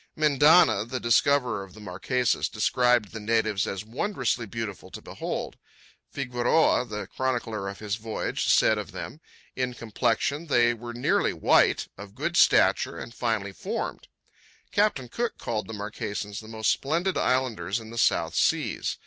Mendaña, the discoverer of the Marquesas, described the natives as wondrously beautiful to behold. Figueroa, the chronicler of his voyage, said of them: "In complexion they were nearly white; of good stature and finely formed." Captain Cook called the Marquesans the most splendid islanders in the South Seas.